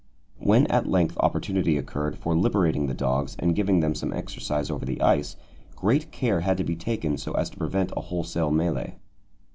When at length opportunity occurred for liberating the dogs and giving them some exercise over the ice, great care had to be taken so as to prevent a wholesale mêlée.